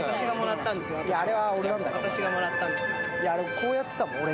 こうやってたもん、俺が。